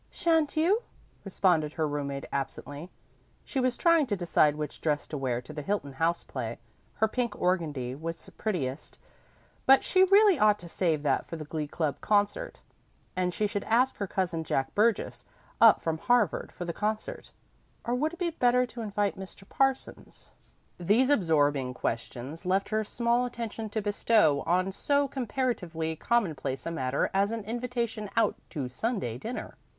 "Shan't you?" responded her roommate absently. She was trying to decide which dress to wear to the Hilton House play. Her pink organdie was prettiest, but she really ought to save that for the Glee Club concert. And should she ask her cousin Jack Burgess up from Harvard for the concert, or would it be better to invite Mr. Parsons? These absorbing questions left her small attention to bestow on so comparatively commonplace a matter as an invitation out to Sunday dinner.